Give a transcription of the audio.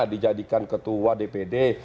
dijadikan ketua dpd